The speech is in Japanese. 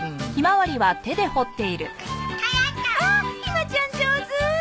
わあひまちゃん上手！